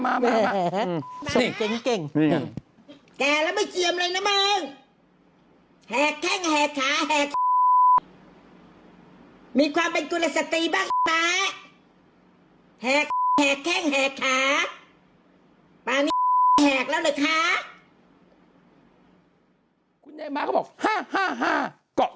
ปานี้แหกแล้วเนอะคะ